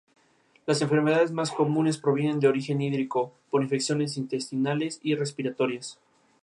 Uno de estos pueblos eran los judíos.